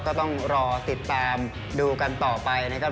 ก็ต้องรอติดตามดูกันต่อไปนะครับ